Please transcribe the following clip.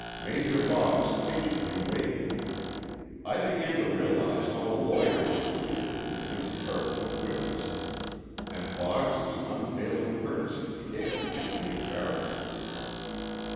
Major Boggs patiently waited. I began to realize how a lawyer must feel with an imperturbable witness. And Boggs's unfailing courtesy began to make me embarrassed.